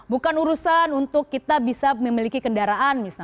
bukan urusan untuk kita bisa memiliki kendaraan